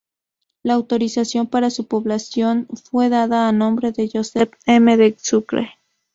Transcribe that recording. La autorización para su publicación fue dada a nombre de Josep M. de Sucre.